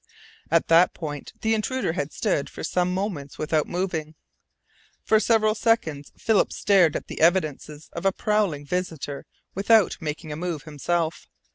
At that point the intruder had stood for some moments without moving. For several seconds Philip stared at the evidences of a prowling visitor without making a move himself.